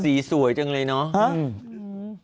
สวยจังเลยเนาะ